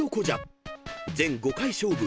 ［全５回勝負。